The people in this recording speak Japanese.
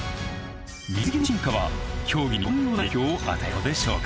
水着の進化は競技にどのような影響を与えたのでしょうか。